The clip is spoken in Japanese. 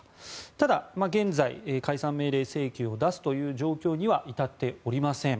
ただ、現在、解散命令請求を出すという状況には至っておりません。